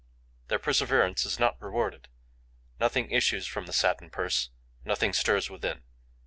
Their perseverance is not rewarded: nothing issues from the satin purse; nothing stirs within.